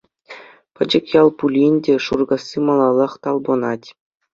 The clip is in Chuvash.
Пӗчӗк ял пулин те Шуркасси малаллах талпӑнать…